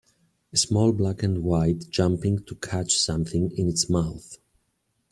a small black and white jumping to catch something in its mouth.